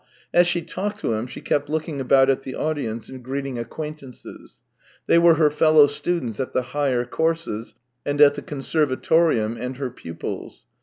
As she talked to him she kept looking about at the audience and greeting acquaintances; they were her fellow students at the higher courses and at the conservatorium, and her pupils.